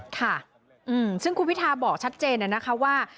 ค่ะซึ่งคุณพิทาบอกชัดเจนนะคะว่า